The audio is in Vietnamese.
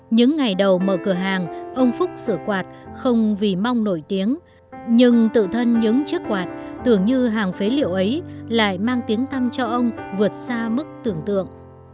những ngày đầu mở cửa hàng ông phúc sửa quạt không vì mong nổi tiếng nhưng tự thân những chiếc quạt tưởng như hàng phế liệu ấy lại mang tiếng tăm cho ông vượt xa mức tưởng tượng